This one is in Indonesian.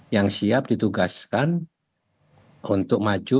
yang siap ditugaskan untuk maju